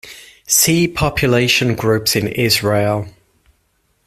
See Population groups in Israel.